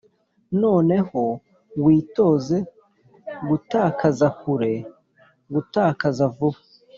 noneho witoze gutakaza kure, gutakaza vuba: